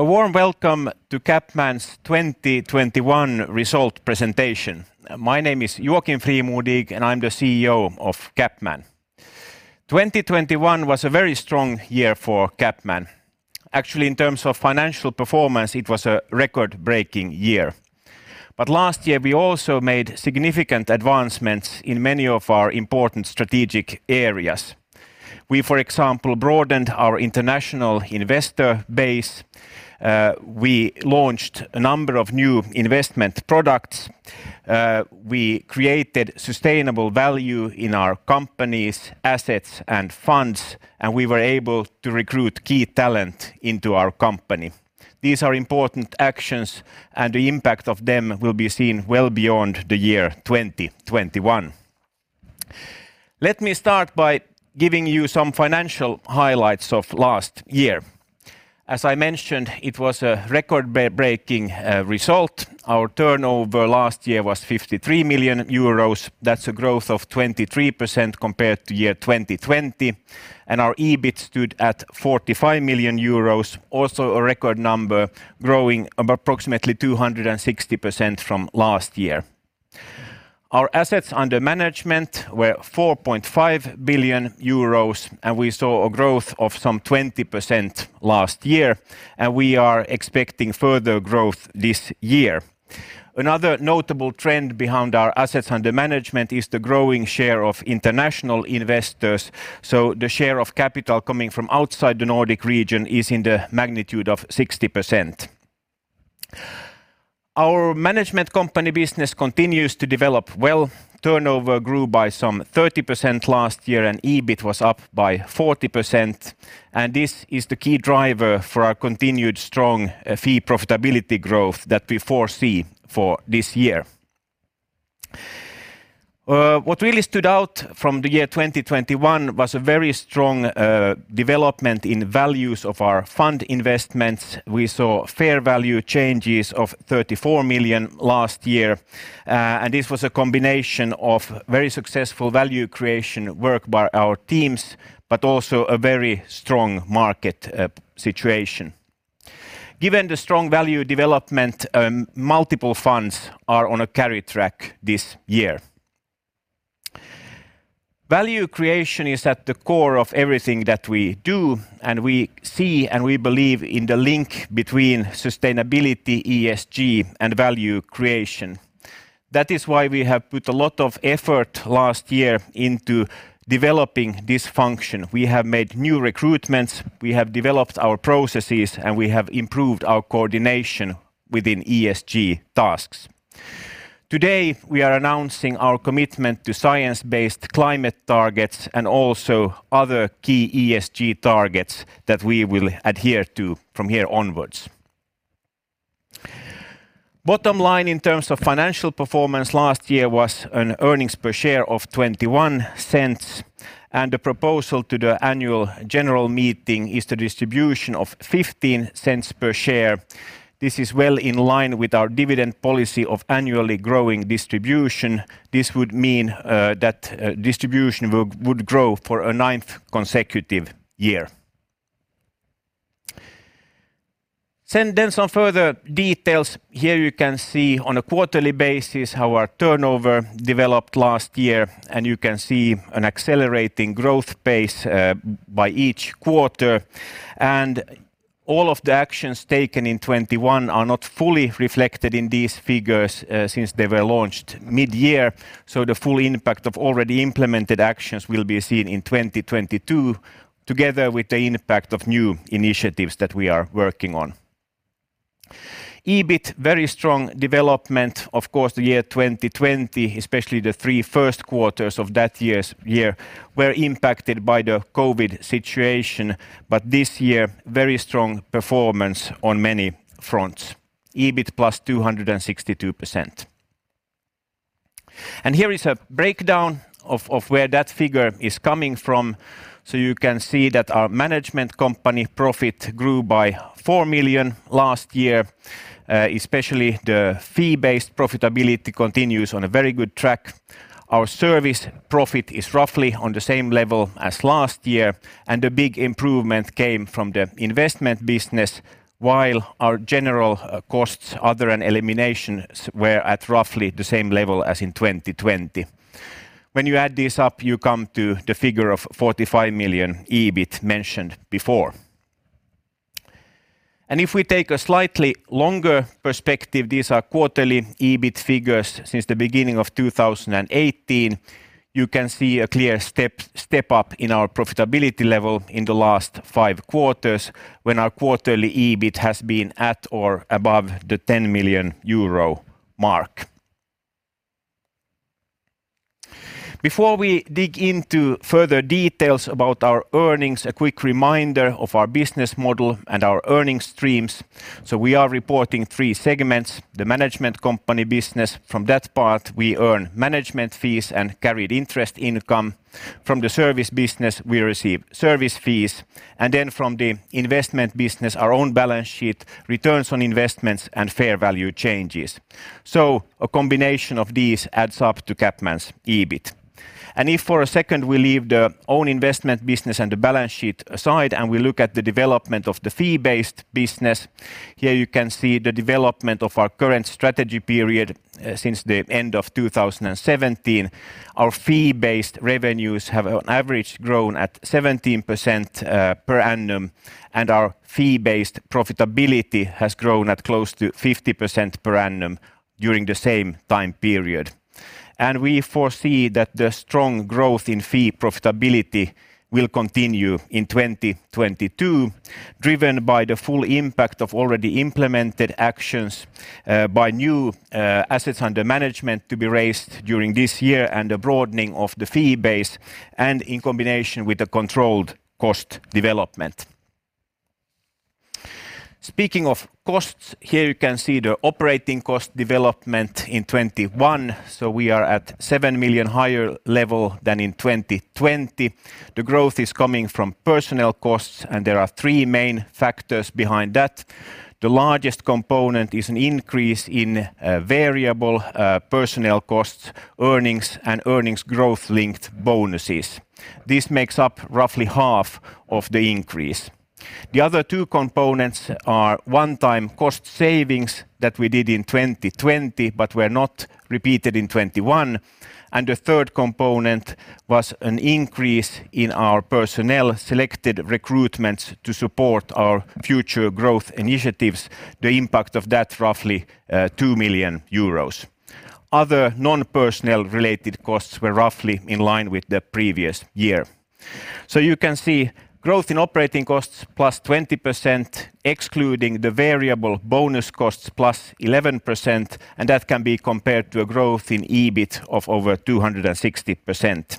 A warm welcome to CapMan's 2021 result presentation. My name is Joakim Frimodig, and I'm the CEO of CapMan. 2021 was a very strong year for CapMan. Actually, in terms of financial performance, it was a record-breaking year. Last year, we also made significant advancements in many of our important strategic areas. We, for example, broadened our international investor base, we launched a number of new investment products, we created sustainable value in our company's assets and funds, and we were able to recruit key talent into our company. These are important actions, and the impact of them will be seen well beyond the year 2021. Let me start by giving you some financial highlights of last year. As I mentioned, it was a record-breaking result. Our turnover last year was 53 million euros. That's a growth of 23% compared to year 2020, and our EBIT stood at 45 million euros, also a record number, growing approximately 260% from last year. Our assets under management were 4.5 billion euros, and we saw a growth of some 20% last year, and we are expecting further growth this year. Another notable trend behind our assets under management is the growing share of international investors, so the share of capital coming from outside the Nordic region is in the magnitude of 60%. Our management company business continues to develop well. Turnover grew by some 30% last year, and EBIT was up by 40%, and this is the key driver for our continued strong fee profitability growth that we foresee for this year. What really stood out from the year 2021 was a very strong development in values of our fund investments. We saw fair value changes of 34 million last year, and this was a combination of very successful value creation work by our teams but also a very strong market situation. Given the strong value development, multiple funds are on a carry track this year. Value creation is at the core of everything that we do, and we see and we believe in the link between sustainability, ESG, and value creation. That is why we have put a lot of effort last year into developing this function. We have made new recruitments, we have developed our processes, and we have improved our coordination within ESG tasks. Today, we are announcing our commitment to science-based climate targets and also other key ESG targets that we will adhere to from here onwards. Bottom line in terms of financial performance last year was an earnings per share of 0.21, and the proposal to the annual general meeting is the distribution of 0.15 per share. This is well in line with our dividend policy of annually growing distribution. This would mean that distribution would grow for a ninth consecutive year. Some further details. Here you can see on a quarterly basis how our turnover developed last year, and you can see an accelerating growth pace by each quarter. All of the actions taken in 2021 are not fully reflected in these figures, since they were launched mid-year, so the full impact of already implemented actions will be seen in 2022 together with the impact of new initiatives that we are working on. EBIT, very strong development. Of course, the year 2020, especially the three Q1 of that year, were impacted by the COVID situation, but this year, very strong performance on many fronts. EBIT +262%. Here is a breakdown of where that figure is coming from. You can see that our management company profit grew by 4 million last year, especially the fee-based profitability continues on a very good track. Our service profit is roughly on the same level as last year, and the big improvement came from the investment business while our general costs, other and eliminations were at roughly the same level as in 2020. When you add this up, you come to the figure of 45 million EBIT mentioned before. If we take a slightly longer perspective, these are quarterly EBIT figures since the beginning of 2018. You can see a clear step up in our profitability level in the last five quarterss when our quarterly EBIT has been at or above the 10 million euro mark. Before we dig into further details about our earnings, a quick reminder of our business model and our earnings streams. We are reporting three segments: the management company business, from that part we earn management fees and carried interest income, from the service business, we receive service fees, and then from the investment business, our own balance sheet, returns on investments, and fair value changes. A combination of these adds up to CapMan's EBIT. If for a second we leave the own investment business and the balance sheet aside, and we look at the development of the fee-based business, here you can see the development of our current strategy period since the end of 2017. Our fee-based revenues have on average grown at 17% per annum, and our fee-based profitability has grown at close to 50% per annum during the same time period. We foresee that the strong growth in fee profitability will continue in 2022, driven by the full impact of already implemented actions, by new assets under management to be raised during this year and the broadening of the fee base and in combination with a controlled cost development. Speaking of costs, here you can see the operating cost development in 2021. We are at 7 million higher level than in 2020. The growth is coming from personnel costs, and there are three main factors behind that. The largest component is an increase in variable personnel costs, earnings, and earnings growth-linked bonuses. This makes up roughly half of the increase. The other two components are one-time cost savings that we did in 2020 but were not repeated in 2021. The third component was an increase in our personnel selected recruitments to support our future growth initiatives, the impact of that roughly 2 million euros. Other non-personnel related costs were roughly in line with the previous year. You can see growth in operating costs +20%, excluding the variable bonus costs +11%, and that can be compared to a growth in EBIT of over 260%.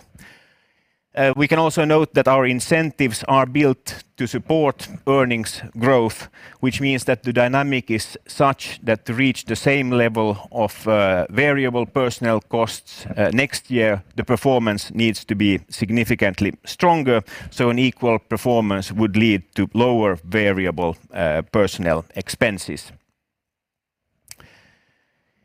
We can also note that our incentives are built to support earnings growth, which means that the dynamic is such that to reach the same level of variable personnel costs next year, the performance needs to be significantly stronger, so an equal performance would lead to lower variable personnel expenses.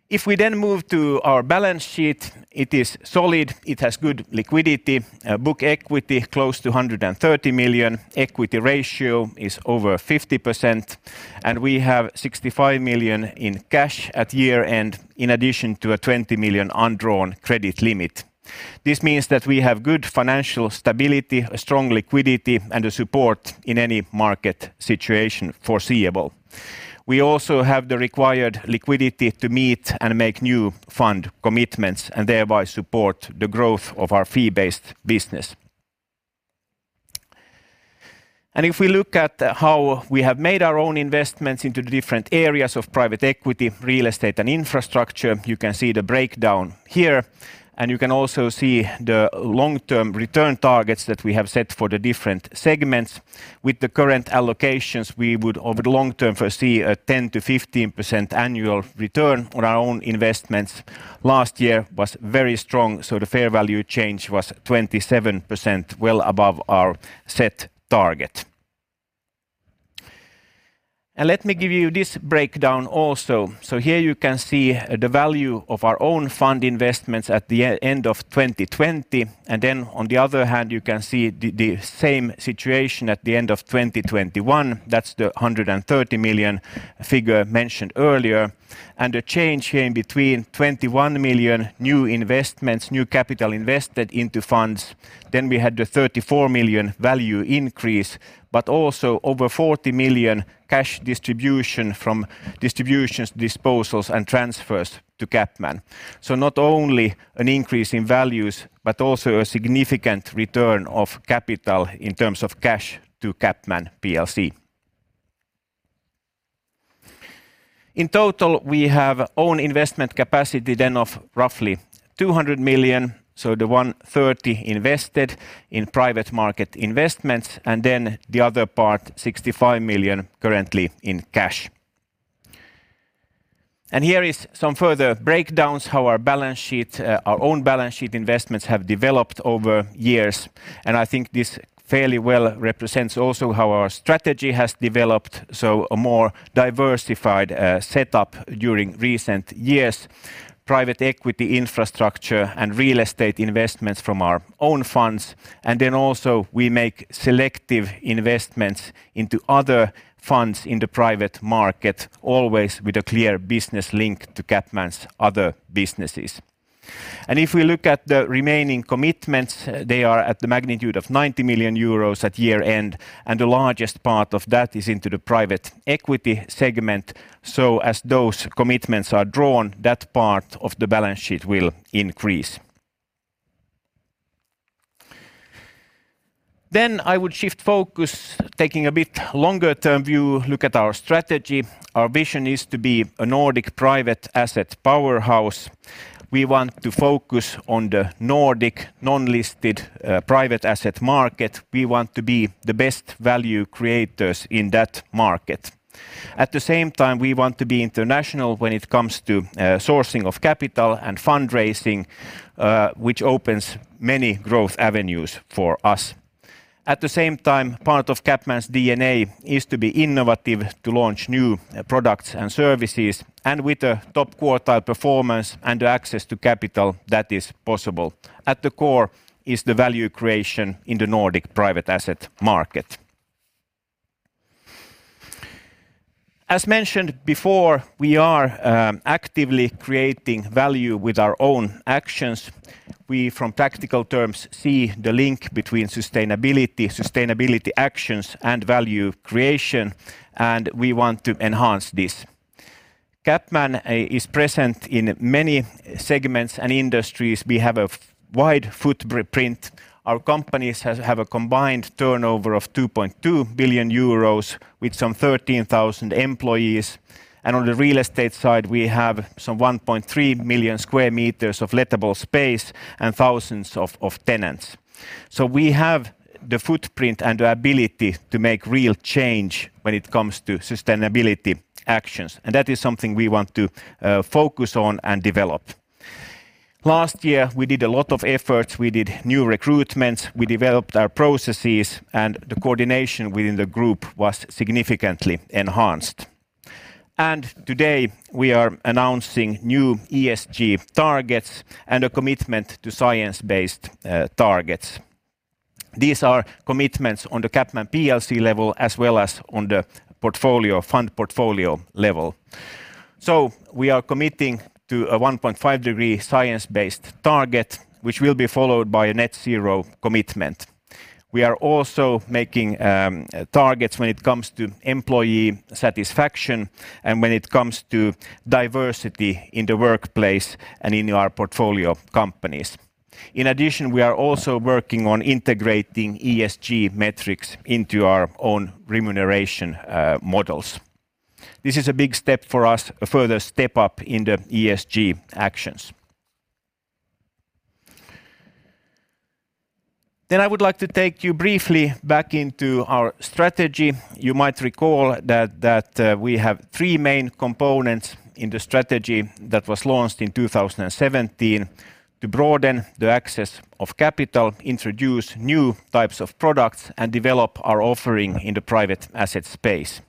If we then move to our balance sheet, it is solid, it has good liquidity, book equity close to 130 million, equity ratio is over 50%, and we have 65 million in cash at year-end in addition to a 20 million undrawn credit limit. This means that we have good financial stability, a strong liquidity, and a support in any market situation foreseeable. We also have the required liquidity to meet and make new fund commitments and thereby support the growth of our fee-based business. If we look at how we have made our own investments into the different areas of private equity, real estate, and infrastructure, you can see the breakdown here, and you can also see the long-term return targets that we have set for the different segments. With the current allocations, we would over the long term foresee a 10%-15% annual return on our own investments. Last year was very strong, so the fair value change was 27%, well above our set target. Let me give you this breakdown also. Here you can see the value of our own fund investments at the end of 2020, and then on the other hand, you can see the same situation at the end of 2021. That's the 130 million figure mentioned earlier. The change here in between 21 million new investments, new capital invested into funds, then we had the 34 million value increase, but also over 40 million cash distribution from distributions, disposals, and transfers to CapMan. Not only an increase in values, but also a significant return of capital in terms of cash to CapMan Plc. In total, we have own investment capacity then of roughly 200 million, so the 130 million invested in private market investments, and then the other part, 65 million, currently in cash. Here is some further breakdowns how our balance sheet, our own balance sheet investments have developed over years. I think this fairly well represents also how our strategy has developed, so a more diversified setup during recent years, private equity infrastructure and real estate investments from our own funds. Then also we make selective investments into other funds in the private market, always with a clear business link to CapMan's other businesses. If we look at the remaining commitments, they are at the magnitude of 90 million euros at year-end, and the largest part of that is into the private equity segment. As those commitments are drawn, that part of the balance sheet will increase. I would shift focus taking a bit longer-term view, look at our strategy. Our vision is to be a Nordic private asset powerhouse. We want to focus on the Nordic non-listed, private asset market. We want to be the best value creators in that market. At the same time, we want to be international when it comes to, sourcing of capital and fundraising, which opens many growth avenues for us. At the same time, part of CapMan's DNA is to be innovative, to launch new products and services, and with a top quartile performance and access to capital, that is possible. At the core is the value creation in the Nordic private asset market. As mentioned before, we are actively creating value with our own actions. We, from tactical terms, see the link between sustainability actions and value creation, and we want to enhance this. CapMan is present in many segments and industries. We have a wide footprint. Our companies have a combined turnover of 2.2 billion euros with some 13,000 employees. On the real estate side, we have some 1.3 million sq m of lettable space and thousands of tenants. We have the footprint and the ability to make real change when it comes to sustainability actions, and that is something we want to focus on and develop. Last year, we did a lot of efforts. We did new recruitments, we developed our processes, and the coordination within the group was significantly enhanced. Today, we are announcing new ESG targets and a commitment to science-based targets. These are commitments on the CapMan Plc level as well as on the portfolio fund portfolio level. We are committing to a 1.5 degree science-based target, which will be followed by a net zero commitment. We are also making targets when it comes to employee satisfaction and when it comes to diversity in the workplace and in our portfolio of companies. In addition, we are also working on integrating ESG metrics into our own remuneration models. This is a big step for us, a further step up in the ESG actions. I would like to take you briefly back into our strategy. You might recall that we have three main components in the strategy that was launched in 2017 to broaden the access of capital, introduce new types of products, and develop our offering in the private asset space.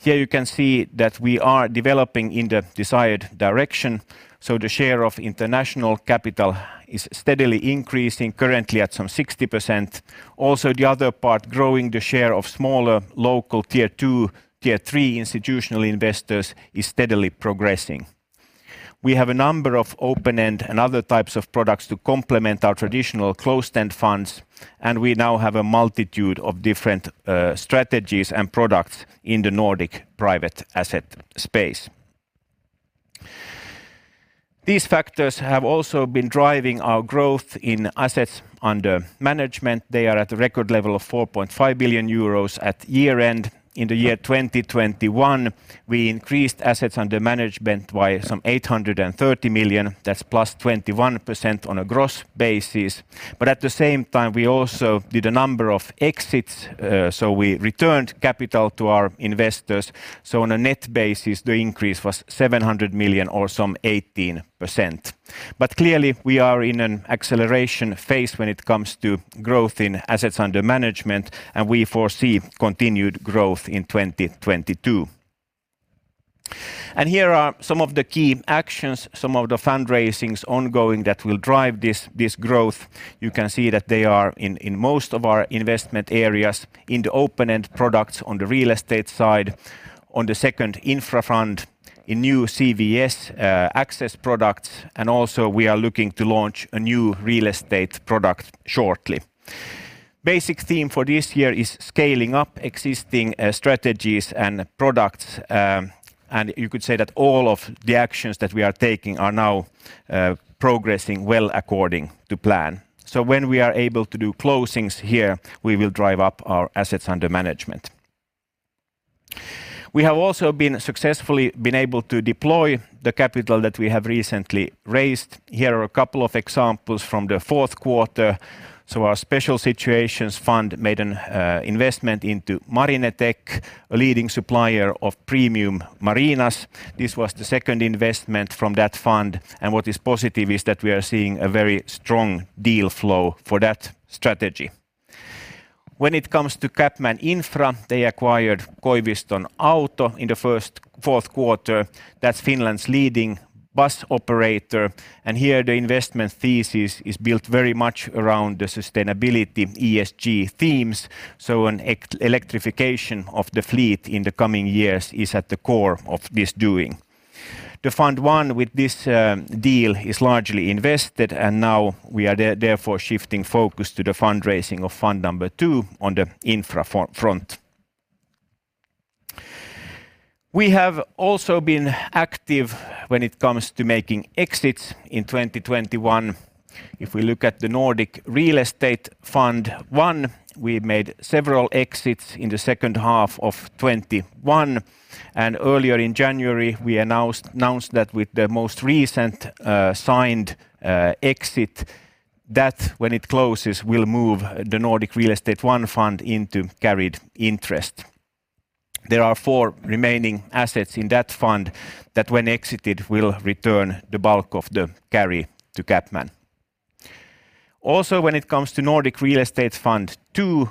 Here you can see that we are developing in the desired direction, so the share of international capital is steadily increasing, currently at some 60%. Also, the other part, growing the share of smaller, local tier two, tier three institutional investors is steadily progressing. We have a number of open-end and other types of products to complement our traditional closed-end funds, and we now have a multitude of different strategies and products in the Nordic private asset space. These factors have also been driving our growth in assets under management. They are at a record level of 4.5 billion euros at year-end. In the year 2021, we increased assets under management by some 830 million. That's +21% on a gross basis. At the same time, we also did a number of exits, so we returned capital to our investors. On a net basis, the increase was 700 million or some 18%. Clearly, we are in an acceleration phase when it comes to growth in assets under management, and we foresee continued growth in 2022. Here are some of the key actions, some of the fundraisings ongoing that will drive this growth. You can see that they are in most of our investment areas in the open-end products on the real estate side, on the second infra fund, in new CVC access products, and also we are looking to launch a new real estate product shortly. Basic theme for this year is scaling up existing strategies and products, and you could say that all of the actions that we are taking are now progressing well according to plan. When we are able to do closings here, we will drive up our assets under management. We have also been successfully able to deploy the capital that we have recently raised. Here are a couple of examples from the Q4. Our special situations fund made an investment into Marinetek, a leading supplier of premium marinas. This was the second investment from that fund, and what is positive is that we are seeing a very strong deal flow for that strategy. When it comes to CapMan Infra, they acquired Koiviston Auto in the Q4. That's Finland's leading bus operator. Here the investment thesis is built very much around the sustainability ESG themes, so an electrification of the fleet in the coming years is at the core of this doing. The fund one with this deal is largely invested, and now we are therefore shifting focus to the fundraising of fund number two on the infra front. We have also been active when it comes to making exits in 2021. If we look at the CapMan Nordic Real Estate I, we made several exits in the second half of 2021, and earlier in January, we announced that with the most recent signed exit that when it closes will move the Nordic Real Estate I fund into carried interest. There are four remaining assets in that fund that when exited will return the bulk of the carry to CapMan. When it comes to CapMan Nordic Real Estate II,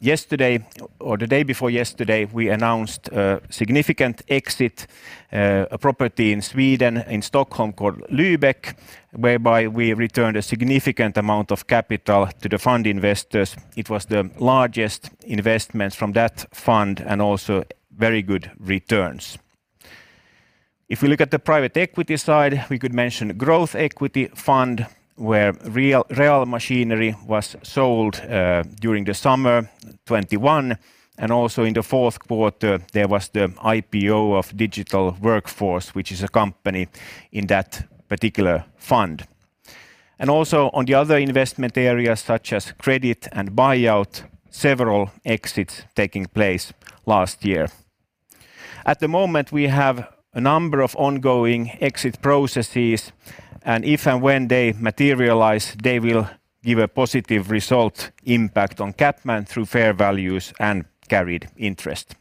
yesterday or the day before yesterday, we announced a significant exit, a property in Sweden, in Stockholm called Lybeck, whereby we returned a significant amount of capital to the fund investors. It was the largest investments from that fund and also very good returns. If we look at the private equity side, we could mention growth equity fund, where RealMachinery was sold, during the summer 2021, and also in the Q4 there was the IPO of Digital Workforce, which is a company in that particular fund. On the other investment areas such as credit and buyout, several exits taking place last year. At the moment, we have a number of ongoing exit processes, and if and when they materialize, they will give a positive result impact on CapMan through fair values and carried interest.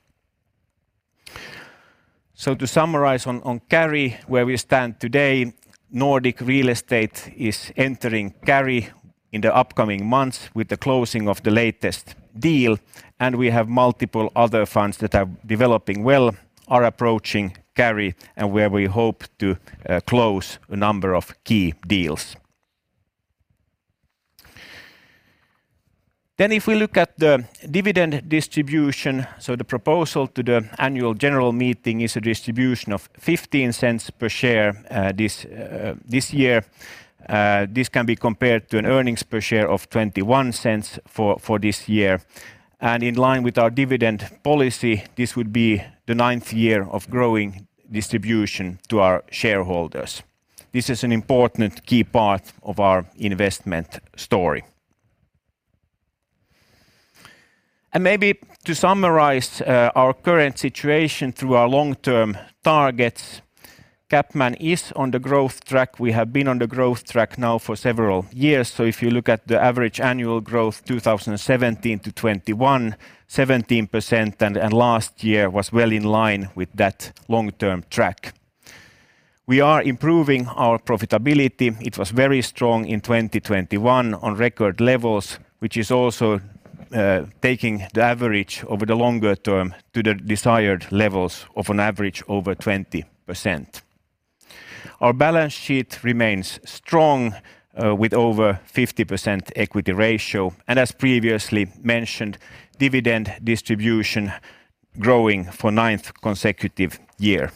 To summarize on carry, where we stand today, Nordic Real Estate is entering carry in the upcoming months with the closing of the latest deal, and we have multiple other funds that are developing well, are approaching carry, and where we hope to close a number of key deals. If we look at the dividend distribution, so the proposal to the annual general meeting is a distribution of 0.15 per share this year. This can be compared to an earnings per share of 0.21 for this year. In line with our dividend policy, this would be the ninth year of growing distribution to our shareholders. This is an important key part of our investment story. Maybe to summarize our current situation through our long-term targets, CapMan is on the growth track. We have been on the growth track now for several years. If you look at the average annual growth, 2017 to 2021, 17% and last year was well in line with that long-term track. We are improving our profitability. It was very strong in 2021 on record levels, which is also taking the average over the longer term to the desired levels of an average over 20%. Our balance sheet remains strong with over 50% equity ratio, and as previously mentioned, dividend distribution growing for ninth consecutive year.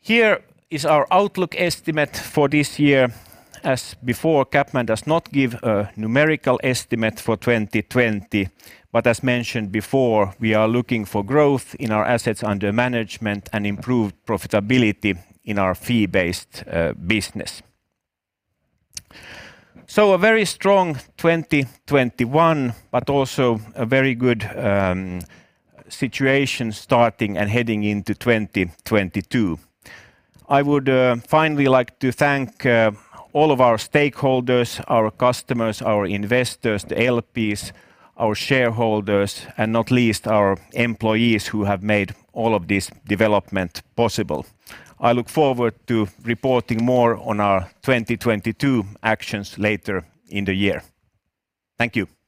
Here is our outlook estimate for this year. As before, CapMan does not give a numerical estimate for 2020, but as mentioned before, we are looking for growth in our assets under management and improved profitability in our fee-based business. A very strong 2021, but also a very good situation starting and heading into 2022. I would finally like to thank all of our stakeholders, our customers, our investors, the LPs, our shareholders, and not least our employees who have made all of this development possible. I look forward to reporting more on our 2022 actions later in the year. Thank you.